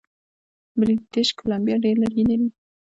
بریټیش کولمبیا ډیر لرګي لري.